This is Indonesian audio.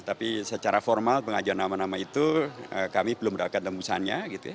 tapi secara formal pengajuan nama nama itu kami belum dapatkan tembusannya